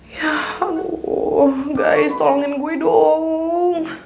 yah aduh guys tolongin gue doong